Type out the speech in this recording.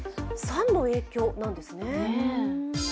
酸の影響なんですね。